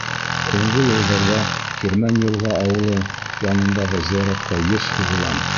— Һуңғы йылдарҙа Тирмән-Йылға ауылы янындағы зыяратҡа йыш һуғылам.